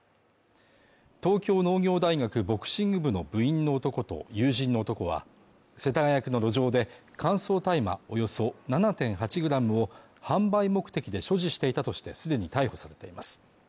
東京農業大学ボクシング部の部員の男と友人の男は世田谷区の路上で乾燥大麻およそ７．８グラムを販売目的で所持していたとしてすでに逮捕されています